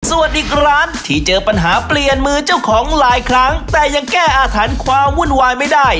ส่วนอีกร้านที่เจอปัญหาเปลี่ยนมือเจ้าของหลายครั้งแต่ยังแก้อาถรรพ์ความวุ่นวายไม่ได้